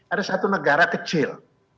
ada satu negara kecil